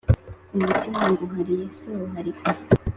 umutima nguhariye siwuharika